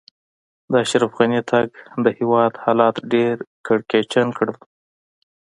د اشرف غني تګ؛ د هېواد حالات ډېر کړکېچن کړل.